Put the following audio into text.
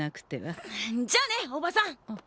じゃあねおばさん！あっ。